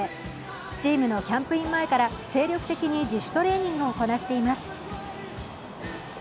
チームのキャンプイン前から精力的に自主トレーニングをせこなしています。